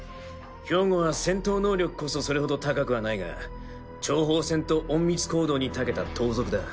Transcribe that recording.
ヒョウゴは戦闘能力こそそれほど高くはないが諜報戦と隠密行動に長けた盗賊だ。